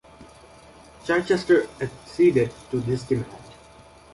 Chichester acceded to this demand.